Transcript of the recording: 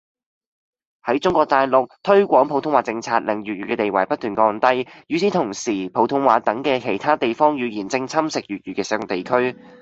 喺中國大陸，推廣普通話政策令粵語嘅地位不斷降低，與此同時普通話等嘅其他地方語言正侵蝕粵語嘅使用地區